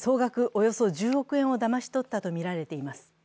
およそ１０億円をだまし取ったとみられています。